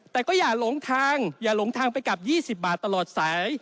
แต่ก็อย่าหลงทางอย่าหลงทางไปกลับ๒๐บาทตลอดสาย